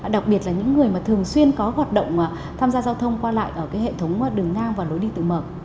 đặc biệt là những người mà thường xuyên có hoạt động tham gia giao thông qua lại ở cái hệ thống đường ngang và lối đi tự mở